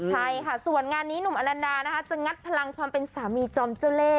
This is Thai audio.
ใช่ค่ะส่วนงานนี้หนุ่มอลันดานะคะจะงัดพลังความเป็นสามีจอมเจ้าเล่